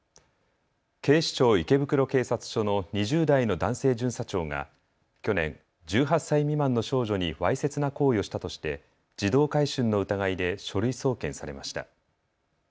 警視庁池袋警察署の２０代の男性巡査長が去年、１８歳未満の少女にわいせつな行為をしたとして児童買春の疑いで書類送検されました。